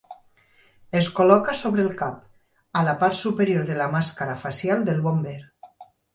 Es col·loca sobre el cap, a la part superior de la màscara facial del bomber.